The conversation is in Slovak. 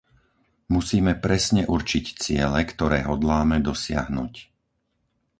Musíme presne určiť ciele, ktoré hodláme dosiahnuť.